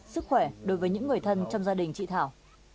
sức khỏe đối với những người thân trong gia đình chị thảo